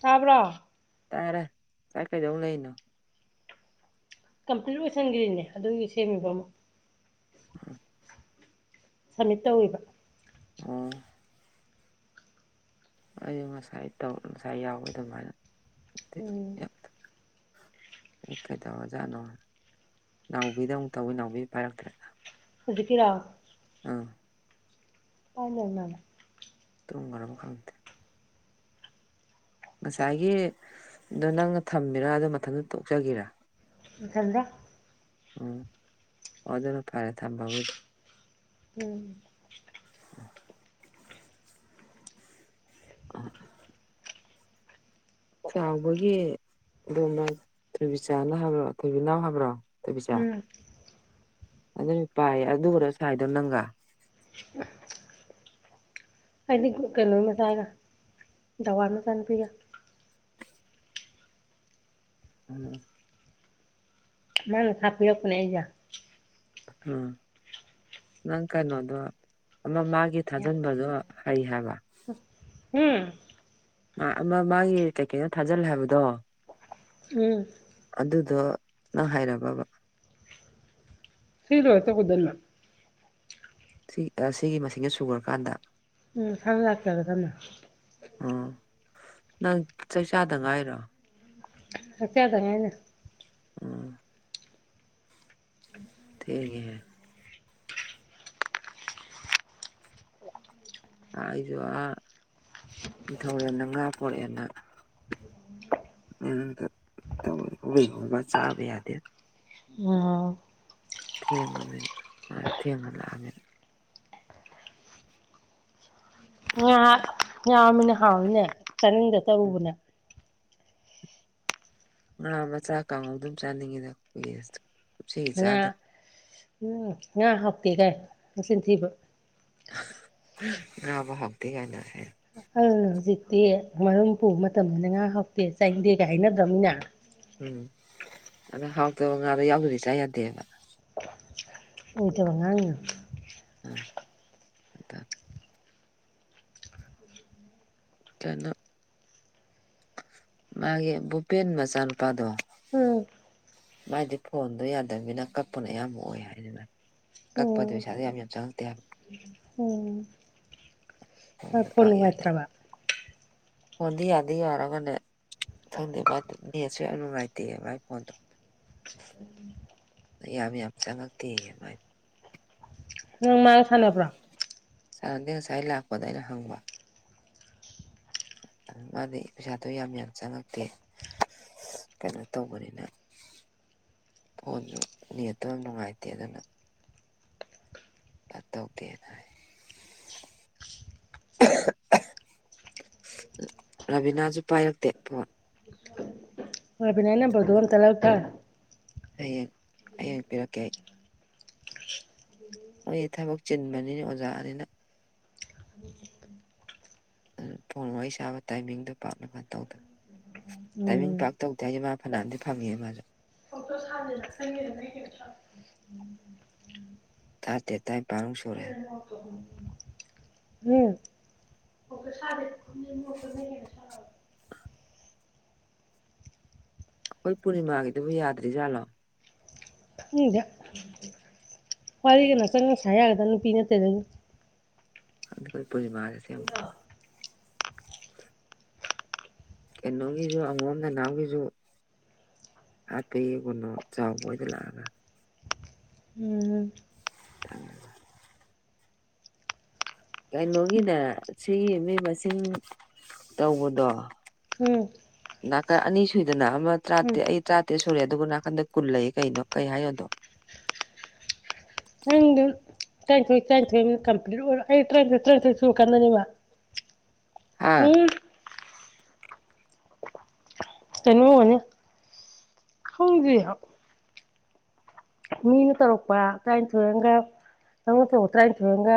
ꯇꯥꯕ꯭ꯔꯥ ꯇꯥꯔꯦ ꯁꯥꯏꯀꯩꯗꯧꯂꯩꯅꯣ ꯀꯝꯄ꯭ꯂꯤꯠ ꯑꯣꯏꯁꯟꯒ꯭ꯔꯤꯅꯦ ꯑꯗꯨꯒꯤ ꯁꯦꯝꯃꯤꯕ ꯑꯃꯨꯛ [inaudible] ꯁꯝꯃꯤꯠ ꯇꯧꯏꯕ ꯎꯝ ꯑꯩꯖꯨ ꯉꯁꯥꯏ ꯇꯧꯋꯦ ꯉꯁꯥꯏ ꯌꯥꯏꯑ ꯑꯗꯨꯃꯥꯏꯅ ꯎꯝ ꯀꯩꯗꯧꯔ ꯖꯥꯠꯅꯣ ꯅꯥꯎꯕꯤꯗ ꯑꯃꯨꯛ ꯇꯧꯋꯤ ꯅꯥꯎꯕꯤ ꯄꯥꯏꯔꯛꯇ꯭ꯔꯦ ꯍꯨꯖꯤꯛꯀꯤꯔ ꯎꯝ [unintelligible] ꯇ꯭ꯔꯨꯝꯒꯔꯕ ꯈꯪꯇꯦ ꯉꯁꯥꯏꯒꯤ ꯗꯣ ꯅꯪꯅ ꯊꯝꯃꯤꯔꯥ ꯑꯗꯣ ꯃꯊꯟꯗ ꯇꯣꯛꯆꯒꯤꯔ ꯃꯊꯟꯗ ꯎꯝ ꯑꯣꯗꯨ ꯐꯔꯦ ꯊꯝꯕꯕꯨꯗꯤ ꯎꯝ ꯑꯥ ꯆꯥꯎꯕꯒꯤ ꯑꯗꯨꯝꯅ ꯊꯣꯏꯕꯤꯆꯥꯅ ꯍꯥꯏꯕ꯭ꯔꯣ ꯊꯣꯏꯕꯤ ꯅꯥꯎ ꯍꯥꯏꯕ꯭ꯔꯣ ꯊꯣꯏꯕꯤꯆꯥ ꯎꯝ ꯑꯗꯨꯅꯨ ꯄꯥꯏ ꯑꯗꯨꯔ ꯁꯥꯏꯗꯧ ꯅꯪꯒ꯫ [inaudible] ꯍꯥꯏꯗꯤ ꯀꯩꯅꯣ ꯃꯆꯥꯏꯒ ꯗꯋꯥ ꯃꯆꯥ ꯅꯨꯄꯤꯒ꯫ ꯑꯗꯨꯅꯤ꯫ ꯃꯥꯅ ꯊꯥꯞꯄꯤꯔꯛꯄꯅꯦ ꯑꯩꯁꯦ꯫ ꯎꯝ꯫ ꯅꯪ ꯀꯩꯅꯣꯗꯣ ꯑꯃ ꯃꯥꯒꯤ ꯊꯥꯖꯤꯟꯕꯗꯣ ꯍꯩ ꯍꯥꯏꯕ꯫ ꯎꯝ꯫ ꯃꯥ ꯑꯃ ꯃꯥꯒꯤ ꯀꯩꯀꯩꯅꯣ ꯊꯥꯖꯤꯜꯂꯦ ꯍꯥꯏꯕꯗꯣ꯫ ꯎꯝ꯫ ꯑꯗꯨꯗꯣ ꯅꯪ ꯍꯥꯏꯔꯕꯕ꯫ ꯁꯤ ꯂꯣꯏꯔ ꯇꯧꯒꯗꯧꯅꯦ꯫ ꯁꯤ ꯁꯤꯒꯤ ꯃꯁꯤꯡꯅ ꯁꯨꯒꯔ ꯀꯥꯟꯗ꯫ ꯎꯝ ꯃꯁꯥꯅ ꯂꯥꯛꯆꯦꯒꯗꯕꯅꯦ ꯑꯣ ꯅꯪ ꯆꯥꯛꯆꯥꯥꯗ ꯉꯥꯏꯔꯣ꯫ ꯆꯥꯛ ꯆꯥꯗ ꯉꯥꯏꯔꯤ꯫ ꯎꯝ ꯊꯦꯡꯉꯦ꯫ ꯑꯩꯁꯨ ꯑꯥ ꯅꯤꯡꯊꯧꯔꯦꯅ ꯉꯥ ꯄꯣꯔꯛꯑꯦꯅ꯫ ꯎꯝ [unintelligible] ꯆꯥꯕ ꯌꯥꯗꯦ ꯑꯣ꯫ ꯊꯤꯡꯉꯦꯃꯤꯅ ꯃꯥ ꯊꯤꯉꯥ ꯂꯥꯛꯑꯃꯤꯅ꯫ ꯉꯥ ꯉꯥꯃꯤꯅꯦ ꯍꯥꯎꯏꯅꯦ ꯆꯥꯅꯤꯡꯗ ꯇꯧꯕꯅꯦ꯫ ꯉꯥ ꯃꯆꯥ ꯀꯥꯡꯉꯧ ꯑꯗꯨꯝ ꯆꯥꯅꯤꯡꯉꯤꯗ ꯀꯨꯏꯔꯦ ꯆꯥ ꯉꯥ ꯎꯝ ꯉꯥ ꯍꯥꯎꯇꯦꯗꯥꯏ ꯅꯆꯤꯟꯊꯤꯕ꯫ ꯉꯥꯕꯨ ꯍꯧꯇꯦꯒꯥꯏꯅ [unintelligible] ꯑ ꯍꯧꯖꯤꯛꯇꯤ ꯃꯔꯨꯝ ꯄꯨꯕ ꯃꯇꯝꯗꯅ ꯉꯥ ꯍꯥꯎꯇꯦ ꯆꯥꯏꯗꯦꯒ ꯍꯥꯏꯅꯗ꯭ꯔ ꯃꯤꯅ꯫ ꯎꯝ ꯑꯗ ꯍꯥꯎꯇꯕ ꯉꯥꯗꯣ ꯌꯥꯎꯗꯔꯗꯤ ꯆꯥ ꯌꯥꯗꯦꯕ꯫ ꯑꯣꯏꯗꯕ ꯉꯥꯡꯏꯕ꯫ ꯑꯥ ꯑꯥꯗ꯫ ꯇꯅꯨ꯫ ꯃꯥꯒꯤ ꯕꯨꯄꯦꯟ ꯃꯆꯥꯅꯨꯄꯥꯗꯣ꯫ ꯎꯝ ꯃꯥꯥꯏꯗꯤ ꯐꯣꯟꯗꯣ ꯌꯥꯗꯕꯅꯤꯅ ꯀꯥꯛꯄꯅ ꯑꯌꯥꯝꯕ ꯑꯣꯏ ꯍꯥꯏꯔꯤꯕ꯫ ꯀꯥꯛꯄꯗꯣ ꯎꯝ ꯄꯩꯁꯥꯗꯣ ꯌꯥꯝ ꯆꯪꯉꯛꯇꯦ ꯍꯥꯏꯕ꯫ ꯎꯝ ꯃꯥꯏ ꯐꯣꯟꯗꯣ ꯐꯣꯟ ꯄꯥꯛ ꯌꯥꯗꯦ ꯅꯨꯡꯉꯥꯏꯇ꯭ꯔꯕ꯫ ꯐꯣꯟꯗꯤ ꯌꯥꯗꯤ ꯌꯥꯔꯒꯅꯦ ꯈꯪꯗꯦ ꯃꯥꯏꯗꯣ ꯅꯦꯠꯁꯨ ꯌꯥꯝ ꯅꯨꯡꯉꯥꯏꯇꯦ ꯃꯥꯥꯏ ꯐꯣꯟꯗꯣ꯫ [inaudible] ꯌꯥꯝ ꯌꯥꯝ ꯆꯪꯉꯛꯇꯦ ꯃꯥꯏ꯫ ꯅꯪ ꯃꯥꯒ ꯁꯥꯟꯅꯕ꯭ꯔꯣ꯫ ꯁꯥꯟꯅꯗꯦ ꯉꯁꯥꯏ ꯂꯥꯛꯄꯗ ꯑꯩꯅ ꯍꯪꯕ꯫ ꯃꯥꯗꯤ ꯄꯩꯁꯥꯗꯣ ꯌꯥꯝ ꯌꯥꯝ ꯆꯪꯉꯥꯛꯇꯦ꯫ ꯀꯩꯅꯣ ꯇꯧꯕꯅꯤꯅ ꯐꯣꯟꯁꯨ ꯅꯦꯠꯇꯣ ꯌꯥꯝ ꯅꯨꯡꯉꯥꯏꯇꯦ ꯑꯗꯨꯅ꯫ ꯐꯇꯧꯗꯦꯅ ꯍꯥꯏ꯫ ꯔꯥꯕꯤꯅꯥꯁꯨ ꯄꯥꯏꯔꯛꯇꯦ ꯐꯣꯟ꯫ ꯔꯕꯤꯅ ꯅꯝꯕꯔꯗꯣ ꯑꯝꯇ ꯂꯧ ꯇꯥꯔꯦ꯫ ꯍꯌꯦꯡ ꯍꯌꯦꯡ ꯄꯤꯔꯛꯀꯦ ꯑꯩ ꯑꯩ ꯊꯕꯛ ꯆꯤꯟꯕꯅꯤꯅꯥ ꯑꯣꯖꯥꯅꯤꯅ ꯑꯗꯨꯅ ꯐꯣꯟ ꯋꯥꯔꯤ ꯁꯥꯕ ꯇꯥꯏꯃꯤꯡꯗꯣ ꯄꯥꯛꯅ ꯐꯟ ꯇꯧꯗꯕ ꯇꯥꯏꯃꯤꯡ ꯎꯝ ꯄꯥꯛ ꯇꯧꯗꯦ ꯍꯥꯏꯁꯦ ꯃꯥ ꯐꯅꯥꯝꯗꯤ ꯐꯪꯉꯦ ꯃꯥꯁꯨ [unintelligible] ꯇꯔꯥꯇꯦꯠ ꯇꯥꯏꯄꯥꯟ ꯃꯨꯛ ꯁꯨꯔꯦ [inaudible] ꯍꯨꯝ [unintelligible] ꯑꯩꯈꯣꯏ ꯄꯨꯔꯅꯤꯃꯥꯒꯤꯗꯨꯕꯨ ꯌꯥꯗ꯭ꯔꯤꯖꯥꯠꯂꯣ [unintelligible] ꯋꯥꯔꯤꯒꯅ ꯆꯪꯅ ꯁꯥ ꯌꯥꯒꯗꯕ ꯅꯨꯄꯤ ꯅꯠꯇꯦꯗ [unintelligible] ꯀꯩꯅꯣꯒꯤꯁꯨ ꯑꯉꯣꯝ ꯅꯅꯥꯎꯒꯤꯁꯨ [unintelligible] ꯆꯥꯎꯕ ꯍꯣꯏꯗ ꯂꯥꯛꯑꯒ ꯎꯨꯝꯃꯝ [unintelligible] ꯀꯩꯅꯣꯒꯤꯅꯦ ꯁꯤꯒꯤ ꯃꯤ ꯃꯁꯤꯡ ꯇꯧꯕꯗꯣ ꯎꯨ ꯅꯥꯀꯟ ꯑꯅꯤ ꯁꯨꯏꯗꯅ ꯑꯃ ꯇꯔꯥꯇꯦꯠ ꯑꯩ ꯇꯔꯥꯇꯦꯠ ꯁꯨꯔꯦ ꯑꯗꯨꯕꯨ ꯅꯥꯀꯟꯗ ꯀꯨꯟ ꯂꯩ ꯀꯩꯅꯣ ꯀꯩ ꯍꯥꯏꯅꫭ ꯑꯗꯣ [unintelligible] ꯇ꯭ꯔꯥꯏꯟꯊꫭꯏ ꯇ꯭ꯔꯥꯏꯟꯊꫭꯏꯅ ꯀꯝꯄꯂꯤꯠ ꯑꫭꯏ ꯑꯩ ꯇ꯭ꯔꯏꯟꯊꫭꯏ ꯇ꯭ꯔꯥꯏꯟꯊꫭꯏ ꯁꯨꯔꯛꯀꯥꯟꯗꯅꯦꯕ ꯍꯥ ꯎꯨꯝ ꯇꯩꯅꯣꯅꯦ ꯈꯪꯗꯦ ꯍ ꯃꯤꯅ ꯇꯧꯔꯛꯄ ꯇ꯭ꯔꯥꯏꯟꯊꯣꯏ ꯑꯃꯒ ꯇꯪꯅ ꯇꯧꯕ ꯇꯔꯥꯏꯟꯊꯣꯏ ꯑꯃꯒ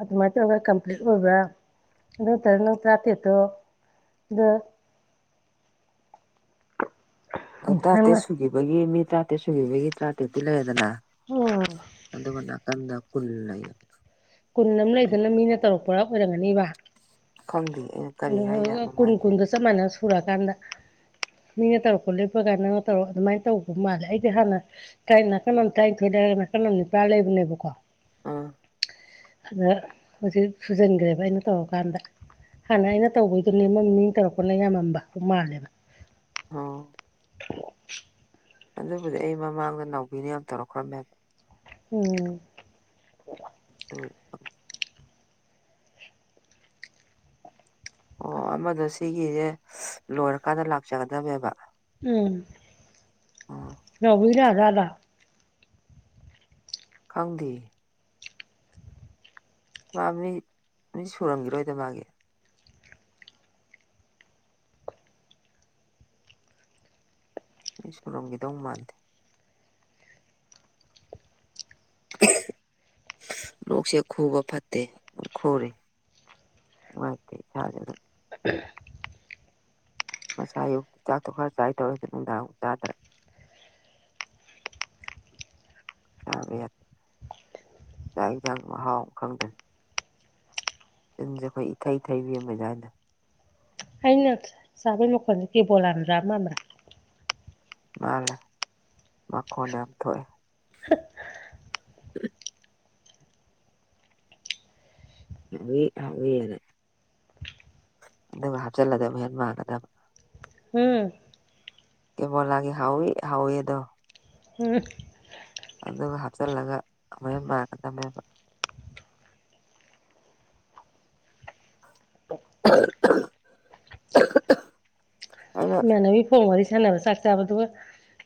ꯑꯗꯨꯃꯥꯏꯅ ꯇꯧꯔꯒ ꯀꯝꯄ꯭ꯂꯤꯠ ꯑꯣꯏꯕ꯭ꯔ ꯑꯗꯨ ꯅꯇꯔ ꯅꯪ ꯇ꯭ꯔꯥꯇ꯭ꯔꯦꯠꯇꯣ ꯑꯗꯨ ꯑ ꯇꯔꯥꯇꯦꯠ ꯅꯪꯅ ꯁꯨꯈꯤꯕꯒꯤ ꯃꯤ ꯇꯔꯥꯇꯔꯦꯠ ꯁꯨꯈꯤꯕꯒꯤ ꯇꯔꯥꯇꯦꯠꯇꯤ ꯂꯩꯔꯦꯗꯅ ꯎꯝ ꯑꯗꯨꯒ ꯅꯥꯀꯟꯗ ꯀꯨꯜ ꯂꯩꯌꯦ ꯀꯨꯟ ꯑꯃ ꯑꯩ ꯂꯩꯗꯨꯅ ꯃꯤꯅ ꯇꯧꯔꯛꯄꯥ ꯑꯣꯏꯔꯝꯒꯅꯤꯕ ꯈꯪꯗꯦ ꯑꯩꯅ ꯀꯔꯤ ꯑꯗꯨꯒ ꯍꯥꯏꯖꯥꯠꯅꯣ ꯀꯨꯟ ꯃꯥꯏꯁꯦ ꯀꯨꯟꯗꯣ ꯆꯞ ꯃꯥꯟꯅ ꯁꯨꯔꯀꯥꯟꯗ ꯃꯤꯅ ꯇꯧꯔꯛꯄ ꯂꯦꯞꯄꯒꯥꯟ ꯅꯪꯅ ꯇꯧꯔꯛ ꯑꯗꯨꯃꯥꯏ ꯇꯧꯕ ꯃꯥꯜꯂꯦ ꯑꯩꯗꯤ ꯍꯥꯟꯅ [unintelligible] ꯅꯥꯀꯟ ꯑꯃ ꯇꯔꯥꯏꯟꯊꯣꯏ ꯂꯩꯔꯒ ꯅꯥꯀꯟ ꯑꯃ ꯅꯤꯄꯥꯟ ꯂꯩꯕꯅꯦꯕꯀꯣ ꯑꯥ ꯑꯗ ꯍꯧꯖꯤꯛ ꯁꯨꯖꯤꯟꯈ꯭ꯔꯦꯕ ꯑꯩꯅ ꯇꯧꯔꯀꯥꯟꯗ ꯍꯥꯟꯅ ꯑꯩꯅ ꯇꯧꯕꯩꯗꯨ ꯅꯦꯝꯃꯝ ꯃꯤ ꯇꯧꯔꯛꯄꯅ ꯌꯥꯝꯃꯝꯕ ꯃꯥꯜꯂꯦꯕ ꯑꯣ [inaudible] ꯑꯗꯨꯕꯨꯗꯤ ꯑꯩ ꯃꯃꯥꯡꯗ ꯅꯥꯎꯕꯤꯅ ꯌꯥꯝ ꯇꯧꯔꯛꯈ꯭ꯔꯃꯦꯕ ꯎꯨꯝ ꯇꯨꯒꯤ ꯑꯣ ꯑꯃꯗꯣ ꯁꯤꯒꯤꯁꯦ ꯂꯣꯏꯔꯀꯥꯟꯗ ꯂꯥꯛꯆꯒꯗꯃꯦꯕ ꯎꯨꯝ ꯅꯥꯎꯕꯤ ꯂꯥꯛꯑꯖꯥꯠꯂ ꯈꯪꯗꯦ ꯃꯥ ꯃꯤ ꯃꯤ ꯁꯨꯔꯝꯒꯤꯔꯣꯏꯗ ꯃꯥꯒꯤ ꯃꯤ ꯁꯨꯔꯝꯒꯤꯗꯧ ꯃꯥꯟꯗꯦ [inaudible] ꯂꯣꯛꯁꯦ ꯈꯨꯕ ꯐꯠꯇꯦ ꯗꯨꯝ ꯈꯨꯔꯦ [unintelligible] ꯉꯥꯁꯥꯏ ꯑꯌꯨꯛ ꯆꯥꯛꯇꯣ ꯈꯔ ꯆꯥꯒꯦ ꯇꯧꯔꯁꯨ ꯅꯨꯡꯗꯥꯡꯖꯨ ꯆꯥꯗ꯭ꯔꯦ [unintelligible] ꯆꯥꯛ ꯏꯟꯖꯥꯡꯖꯨ ꯃꯍꯥꯎꯃ ꯈꯪꯗ꯭ꯔꯦ ꯆꯤꯟꯁꯦ ꯑꯩꯈꯣꯏ ꯏꯊꯩꯊꯩꯕꯤ ꯑꯃ [unintelligible] ꯑꯩꯅ ꯆꯥꯕꯩ ꯃꯈꯣꯟꯁꯦ ꯀꯦꯕꯣꯂꯥꯅ ꯆꯕꯥ ꯃꯥꯟꯕ꯭ꯔ ꯃꯥꯅꯦꯃꯈꯣꯟ ꯌꯥꯝ ꯊꯣꯛꯑꯦ ꯍꯧꯏ ꯍꯧꯏꯅ ꯑꯗꯨꯒ ꯍꯥꯞꯆꯤꯜꯂꯗꯅꯦꯍꯦꯟ ꯃꯥꯟꯒꯗꯅꯦ ꯎꯝ ꯀꯦꯕꯣꯂꯥꯒꯤ ꯍꯥꯎꯏ ꯍꯥꯎꯏꯗꯣ ꯎꯝ ꯑꯗꯨꯒ ꯍꯥꯞꯆꯜꯂꯒ ꯃꯌꯥꯝ ꯃꯥꯟꯒ ꯗꯝꯃꯦꯕ [inaudible] ꯑꯩꯅ ꯏꯃꯥꯟꯅꯕꯤ ꯐꯣꯟ ꯋꯥꯔꯤ ꯁꯥꯟꯅꯕ ꯆꯥꯛ ꯆꯥꯕꯗꯨꯒ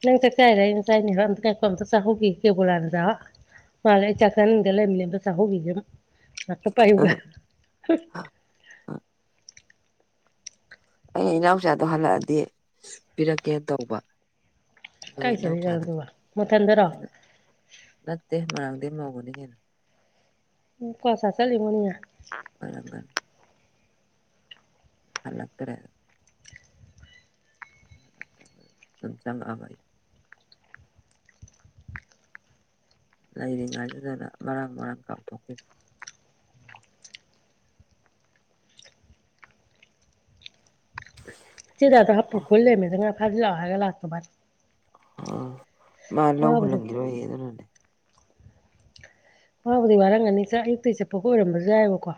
ꯅꯪ ꯆꯛ ꯆꯥꯏꯔꯌꯦ ꯑꯩꯅ ꯆꯥꯏꯅꯦ ꯍꯥꯏꯔꯝꯕ ꯀꯥꯏ ꯀꯣ ꯑꯝꯇ ꯆꯥꯍꯧꯈꯤ ꯀꯦꯕꯨꯣꯂꯥꯅ ꯆꯥꯕ ꯃꯥꯂꯦ ꯑꯩ ꯆꯥꯛ ꯆꯥꯅꯤꯡꯗ ꯂꯩꯕꯅꯦ ꯑꯗꯨ ꯆꯥꯍꯧꯒꯤꯒꯦ ꯉꯛꯇ ꯄꯥꯢꯌꯨ ꯒꯥꯏ ꯑꯩ ꯏꯅꯥꯎꯆꯥꯗꯣ ꯍꯜꯂꯛꯑꯗꯤ ꯄꯤꯔꯛꯀꯦ ꯇꯧꯕ ꯑꯗꯨꯒ ꯀꯥꯏ ꯆꯠꯂꯤꯖꯥꯅꯣ ꯏꯅꯥꯎꯆꯥꯗꯣ ꯗꯨꯒ ꯃꯊꯟꯗꯔꯣ ꯅꯠꯇꯦ ꯃꯣꯏꯔꯥꯡꯗꯩ ꯃꯧꯒꯅꯤ ꯀꯩꯅꯣ ꯎꯝ [unintelligible] ꯑꯣꯏꯔꯝꯒꯅꯤ ꯍꯜꯂꯛ ꯇ꯭ꯔꯦ [inaudible] [unintelligible] ꯂꯩꯔꯤꯉꯥꯏꯗꯨꯗꯅ ꯃꯔꯥꯡ ꯃꯔꯥꯡ ꯀꯥꯎꯊꯣꯛꯈꯤꯕ [unintelligible] ꯍꯥꯞꯄꯨꯈꯨꯜ ꯂꯩꯔꯝꯃꯦ ꯉꯥ ꯐꯥꯖꯤ ꯂꯥꯛꯑꯣ ꯍꯥꯏꯔꯒ ꯂꯥꯛꯇꯕꯥꯅꯦ ꯑ ꯃꯥ ꯂꯧ ꯋꯥꯕꯨꯗꯤ ꯍꯨꯜꯂꯝꯒꯤꯔꯣꯏꯌꯦ ꯑꯗꯨꯅꯅꯦ ꯋꯥꯕꯨꯗꯤ ꯋꯥꯔꯝꯒꯅꯤ ꯆ ꯑꯌꯨꯛꯇꯒꯤ ꯆꯠꯄꯒ ꯑꯣꯏꯔꯝꯕꯁꯨ ꯌꯥꯏꯑꯕꯀꯣ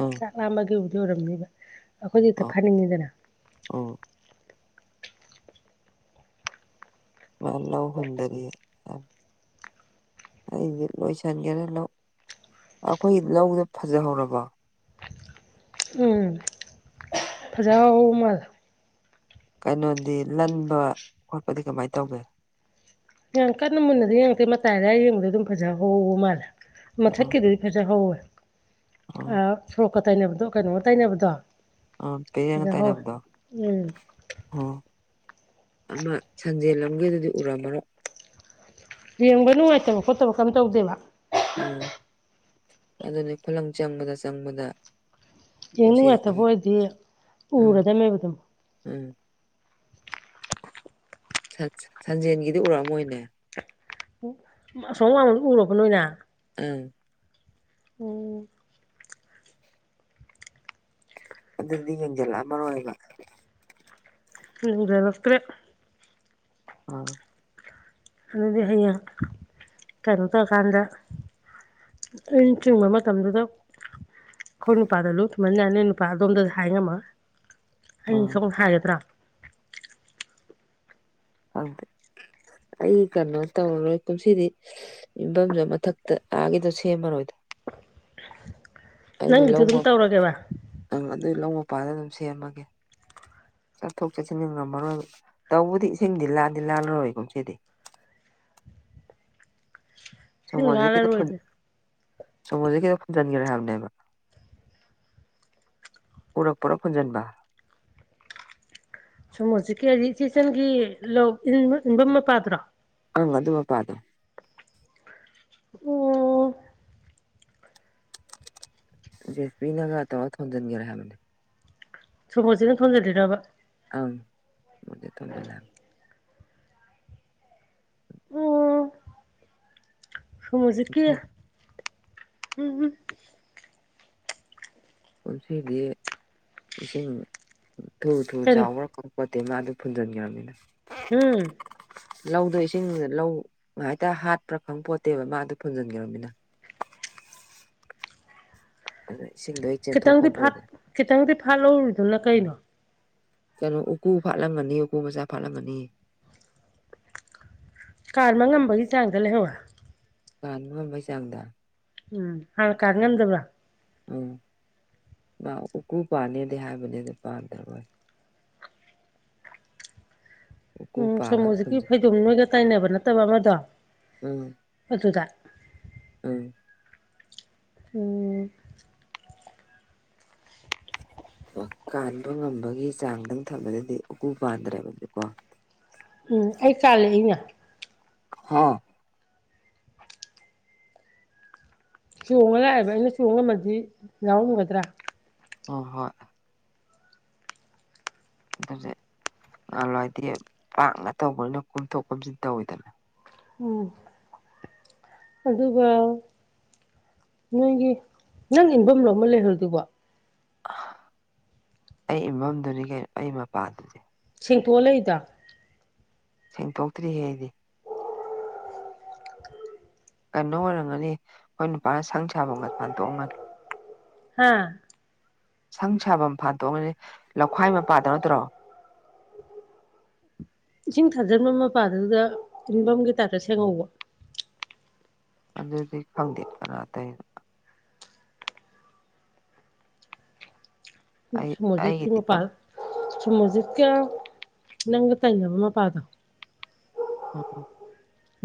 ꯑꯥ ꯆꯥꯛ ꯂꯥꯝꯕꯒꯤꯕꯨꯗꯤ ꯑꯣꯏꯔꯝꯅꯦꯕ ꯑꯩꯈꯣꯏ ꯍꯦꯛꯇ ꯐꯅꯤꯡꯉꯤꯗꯅ ꯑꯧ ꯃꯥ ꯂꯧꯍꯨꯟꯗꯔꯤ ꯑꯩꯗꯤ ꯂꯣꯏꯁꯤꯟꯒꯔꯦ ꯂꯧ ꯑꯩꯈꯣꯏꯒꯤ ꯂꯧꯗꯣ ꯐꯖꯍꯧꯔꯕꯣ ꯎꯝ ꯐꯖ ꯍꯧꯕ ꯃꯥꯜꯂꯦ ꯀꯩꯅꯣꯗꯤ ꯂꯟꯕ ꯈꯣꯠꯄꯗꯤ ꯀꯃꯥꯏ ꯇꯧꯒꯦ ꯌꯥꯝ ꯀꯟꯅ ꯃꯨꯟꯅꯗꯗꯤ ꯌꯦꯡꯉꯛꯇꯦ ꯃꯇꯥꯏ ꯑꯗꯥꯏꯗ ꯌꯦꯡꯕꯗ ꯑꯗꯨꯝ ꯐꯖ ꯍꯧꯕ ꯃꯥꯜꯂꯦ ꯑꯥ ꯃꯊꯛꯀꯤꯗꯤ ꯐꯖ ꯍꯧꯋꯦ ꯑꯥ ꯁꯣꯔꯣꯛꯀ ꯇꯩꯅꯕꯗꯣ ꯀꯩꯅꯣꯒ ꯇꯩꯅꯕꯗꯣ ꯑ [unintelligible] ꯇꯥꯏꯅꯕꯗꯣ ꯑꯣ ꯑꯗꯣ ꯁꯟꯖꯦꯜ ꯂꯝꯗꯨꯗꯤ ꯎꯔꯝꯂꯥꯔꯣꯏ ꯌꯦꯡꯕ ꯅꯨꯡꯉꯥꯏꯇꯕ ꯈꯣꯠꯇꯕ ꯀꯦꯝ ꯇꯧꯗꯦꯕ ꯎꯝ ꯑꯗꯨꯅꯤ ꯈꯨꯂꯪ ꯆꯪꯕꯗ ꯆꯪꯕꯗ ꯌꯦꯡ ꯄꯨꯟꯁꯤꯗ ꯅꯨꯡꯉꯥꯏꯇꯕ ꯈꯪꯗꯦ ꯑꯣꯏꯔꯗꯤ ꯎꯝ ꯎꯔꯗꯧꯅꯦ ꯑꯗꯨꯝ ꯎꯝ ꯁꯟ ꯁꯟꯖꯦꯟꯒꯤꯗꯤ ꯎꯔꯛ ꯑꯝꯃꯣꯏꯅꯦ ꯑꯣ ꯑꯁꯣꯝ ꯋꯥꯡꯃ ꯎꯔꯣꯕꯣ ꯅꯣꯏꯅ ꯎꯝ ꯑꯣ ꯑꯗꯨꯗꯤ ꯌꯦꯡꯖꯜꯂꯛꯑꯝꯃꯔꯣꯏꯕ ꯌꯦꯡꯖꯜꯂꯛꯇ꯭ꯔꯦ ꯑ ꯑꯗꯨꯗꯤ ꯍꯩꯌꯦꯡ ꯀꯩꯅꯣ ꯇꯧꯔꯀꯥꯟꯗ ꯑꯩ ꯆꯤꯡꯕ ꯃꯇꯝꯗꯨꯗ ꯑꯩꯈꯣꯏ ꯅꯨꯄꯥꯗ ꯂꯨ ꯊꯨꯝꯍꯟ ꯌꯥꯅꯤ ꯅꯨꯄꯥ ꯑꯗꯣꯝꯗ ꯍꯥꯏ ꯉꯝꯃꯔꯣꯏ ꯑꯩ ꯑꯥ ꯁꯣꯝ ꯍꯥꯏꯒꯗ꯭ꯔꯥ ꯍꯪꯇꯦ ꯑꯩ ꯀꯩꯅꯣ ꯇꯧꯔꯔꯣꯏ ꯀꯨꯝꯁꯤꯗꯤ ꯏꯟꯕꯝꯖꯨ ꯃꯊꯛꯇ ꯑꯥꯒꯤꯗꯣ ꯁꯦꯝꯃꯔꯣꯏꯗ ꯑꯩꯒꯤ ꯅꯪꯒꯤꯗꯣ ꯂꯧ ꯑꯗꯨꯝ ꯃꯞ ꯇꯧꯔꯒꯦꯕ ꯑ ꯑꯗꯨꯏ ꯂꯧ ꯃꯄꯥꯗ ꯑꯗꯨꯝ ꯁꯦꯝꯃꯒꯦ ꯆꯠꯊꯣꯛ ꯆꯠꯁꯤꯟ ꯉꯝꯃꯔꯣꯏꯕ ꯇꯧꯕꯨꯗꯤ ꯏꯁꯤꯡꯗꯤ ꯂꯥꯟꯗꯤ ꯂꯥꯜꯂꯔꯣꯏ ꯀꯨꯝꯁꯤꯗꯤ ꯁꯤ ꯁꯣꯃꯣꯔꯖꯤꯠ ꯀꯤꯗꯣ ꯐꯨꯟ ꯉꯥꯜꯂꯔꯣꯏꯗ ꯁꯣꯃꯣꯔꯖꯤꯠ ꯀꯤꯗꯣ ꯐꯨꯟꯖꯤꯟꯒ꯭ꯔꯦ ꯍꯥꯏꯕꯅꯦꯕꯥ ꯎꯔꯛꯄꯔꯣ ꯐꯨꯟꯖꯟꯕ ꯁꯣꯃꯣꯔꯖꯤꯠ ꯀꯤ ꯍꯥꯏꯗꯤ ꯏꯆꯦ ꯏꯆꯟꯒꯤ ꯂꯧ ꯏꯟꯕ ꯏꯟꯕꯝ ꯃꯄꯥꯗꯨꯔꯣ ꯑꯪ ꯑꯗꯨ ꯃꯄꯥꯗꯣ ꯑꯣ ꯖꯦꯁꯕꯤꯅꯒ ꯇꯧꯔ ꯊꯣꯟꯖꯤꯟꯒ꯭ꯔꯦ ꯍꯥꯏꯕꯅꯦ ꯁꯣꯔꯣꯖꯤꯠꯅ ꯊꯣꯟꯖꯜ ꯂꯤꯔꯕ ꯑꯪ ꯃꯣꯔꯖꯤꯠ ꯊꯣꯟꯖꯜꯂꯦ ꯍꯥꯏ ꯁꯣꯃꯣꯔꯖꯤꯠ ꯀꯤ ꯀꯨꯝꯁꯤ ꯎꯝ ꯀꯨꯝꯁꯤꯗꯤ ꯏꯁꯤꯡ ꯊꯨ ꯊꯨ ꯀꯩꯅꯣ ꯆꯥꯎꯕ꯭ꯔꯥ ꯈꯪ ꯄꯣꯠꯇꯦ ꯃꯥ ꯑꯗꯨ ꯐꯨꯟꯖꯟꯒ꯭ꯔꯃꯤꯅꯥ ꯍꯨꯝ ꯂꯧꯗꯣ ꯏꯁꯤꯡ ꯂꯧ ꯉꯥꯏꯍꯥꯏꯇ ꯍꯥꯠꯄ꯭ꯔꯥ ꯈꯪꯄꯣꯠꯇꯦꯕ ꯃꯥ ꯑꯗꯨ ꯐꯨꯖꯟꯒ꯭ꯔꯃꯤꯅ ꯑꯗꯩ ꯏꯁꯤꯡ ꯗꯩ ꯈꯤꯇꯪꯗꯤ ꯐꯥꯠ ꯈꯤꯇꯪꯗꯤ ꯐꯥꯠꯂꯧꯔꯤꯗꯨꯅ ꯀꯩꯅꯣ ꯀꯩꯅꯣ ꯎꯀꯨ ꯐꯥꯠꯂꯝꯃꯅꯤ ꯎꯀꯨ ꯃꯆꯥ ꯐꯥꯠꯂꯝꯃꯅꯤ ꯀꯥꯟꯕ ꯉꯝꯕꯒꯤ ꯆꯥꯡꯗ ꯂꯩꯍꯧꯔꯦ ꯀꯥꯟꯕ ꯉꯝꯕꯩ ꯆꯥꯡꯗ ꯎꯝ ꯍꯥꯟ ꯀꯟ ꯉꯝꯗꯕ꯭ꯔꯥ ꯎꯝ ꯃꯥ ꯎꯀꯨ ꯄꯥꯟꯅꯦꯗꯤ ꯍꯥꯏꯕꯅꯦ ꯑꯗꯨ ꯄꯥꯟꯗ꯭ꯔꯕꯣꯏ ꯎꯀꯨ ꯎꯝ ꯄꯥꯜꯂꯒ ꯁꯣꯃꯣꯔꯖꯤꯠꯀꯤ ꯐꯨꯟꯖꯟ ꯐꯩꯗꯣꯝ ꯅꯣꯏꯒ ꯇꯥꯏꯅꯕ ꯅꯠꯇꯕ ꯑꯃꯗꯣ ꯎꯝ ꯑꯗꯨꯗ ꯎꯝ [unintelligible] ꯀꯥꯟꯕ ꯉꯝꯕꯒꯤ ꯆꯥꯡꯗꯪ ꯊꯝꯕꯗꯗꯤ ꯎꯀꯨ ꯄꯥꯟꯗ꯭ꯔꯦꯕꯅꯦꯀꯣ ꯎꯝ ꯑꯩ ꯀꯥꯜꯂꯛ ꯏꯅꯦ ꯍꯥ ꯆꯣꯡꯉ ꯂꯥꯛꯑꯦꯕ ꯑꯩꯅ ꯆꯣꯡꯉꯝꯃꯗꯤ ꯌꯥꯎꯔꯝꯒꯗ꯭ꯔꯥ ꯑ ꯍꯣꯏ ꯑꯗꯨꯁꯨ ꯅꯍꯜꯋꯥꯗꯤ ꯄꯥꯛꯅ ꯇꯧꯕꯅꯤꯅ ꯀꯣꯝꯊꯣꯛ ꯀꯣꯝꯁꯤꯟ ꯇꯧꯋꯤꯗꯅ ꯎꯝ ꯑꯗꯨꯒ ꯅꯣꯏꯒꯤ ꯅꯪ ꯏꯟꯐꯝ ꯂꯣ ꯑꯃꯥ ꯂꯩꯍꯧꯔꯤꯗꯨꯕꯣ ꯑꯩ ꯏꯟꯐꯝꯗꯨꯅꯤ ꯀꯩꯅꯣ ꯑꯩ ꯃꯄꯥꯗꯨꯅꯤ ꯁꯦꯡꯇꯣꯛꯑ ꯂꯩꯗꯣ ꯁꯦꯡꯇꯣꯛꯇ꯭ꯔꯤꯍꯦ ꯑꯩꯗꯤ ꯀꯩꯅꯣ ꯑꯣꯏꯔꯝꯒꯅꯤ ꯑꯩꯈꯣꯏ ꯅꯨꯄꯥꯅ ꯁꯪ ꯁꯥꯐꯝꯒ ꯐꯥꯟꯗꯣꯛꯑꯝꯒꯅꯤ ꯍꯥꯥ ꯁꯪ ꯁꯥꯐꯝ ꯐꯥꯗꯣꯛꯑꯝꯒꯅꯤ ꯂꯧꯈꯥꯏ ꯃꯄꯥꯗꯣ ꯅꯠꯇ꯭ꯔꯣ ꯏꯁꯤꯡ ꯊꯥꯖꯤꯟꯕ ꯃꯄꯥꯗꯨꯗ ꯌꯨꯝꯐꯝꯒꯤ ꯇꯥꯏꯞꯇ ꯁꯦꯡꯍꯧꯕ ꯑꯗꯨꯗꯤ ꯈꯪꯗꯦ ꯀꯅꯥ ꯇꯩꯏꯅꯣ ꯑꯩ ꯁꯨꯃꯣꯖꯤꯠꯀꯤ ꯑꯩꯒꯤꯗꯤ ꯃꯄꯥ ꯀꯅꯥ ꯁꯨꯃꯣꯖꯤꯠꯀ ꯅꯪꯒ ꯇꯩꯅꯅꯕ ꯃꯄꯥꯗꯣ ꯑꯣ ꯑꯣ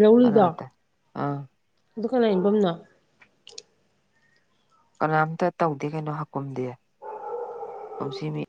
ꯂꯧꯔꯤꯗꯣ ꯑꯗꯨ ꯀꯅꯥꯏ ꯏꯟꯐꯝ ꯅ‌ꯣ‌‌ ꯀꯅꯥꯝꯇ ꯇꯧꯗꯦ ꯀꯩꯅꯣ ꯍꯥꯀꯨꯝꯗꯤ ꯀꯨꯝꯁꯤ ꯃꯤ